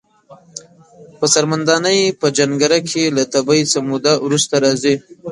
په څرمن دانی په جنکره کښی له تبی څه موده وروسته راځی۔